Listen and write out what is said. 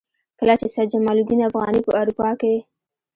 کله چې سید جمال الدین افغاني په اروپا کې.